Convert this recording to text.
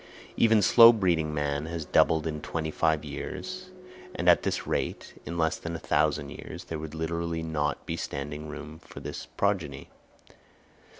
Even slow breeding man has doubled in twenty five years, and at this rate, in less than a thousand years, there would literally not be standing room for his progeny.